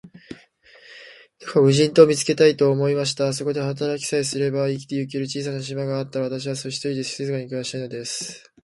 どこか無人島を見つけたい、と思いました。そこで働きさえすれば、生きてゆける小さな島があったら、私は、ひとりで静かに暮したいのです。